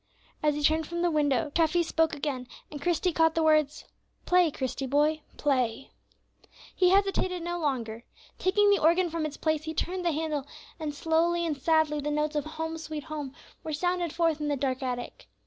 As he turned from the window, Treffy spoke again, and Christie caught the words, "Play, Christie, boy, play." He hesitated no longer. Taking the organ from its place, he turned the handle, and slowly and sadly the notes of "Home, sweet Home," were sounded forth in the dark attic.